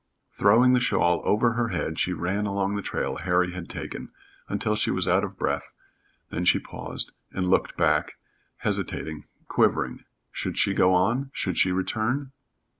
Throwing the shawl over her head she ran along the trail Harry had taken, until she was out of breath, then she paused, and looked back, hesitating, quivering. Should she go on? Should she return?